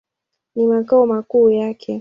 Ni makao makuu yake.